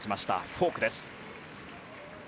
フォークです。